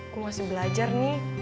gue masih belajar nih